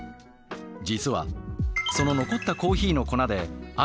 実はその残ったコーヒーの粉である楽しみ方が。